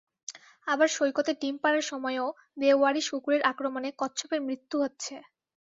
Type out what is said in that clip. আবার সৈকতে ডিম পাড়ার সময়ও বেওয়ারিশ কুকুরের আক্রমণে কচ্ছপের মৃত্যু হচ্ছে।